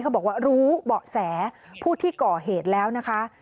เขาบอกว่ารู้เบาะแสผู้ที่ก่อเหตุแล้วนะคะ